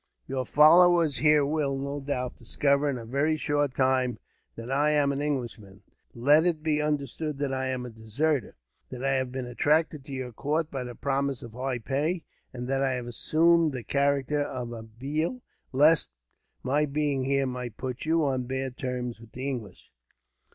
"Your followers here will, no doubt, discover in a very short time that I am an Englishman. Let it be understood that I am a deserter, that I have been attracted to your court by the promise of high pay, and that I have assumed the character of a Bheel, lest my being here might put you on bad terms with the English."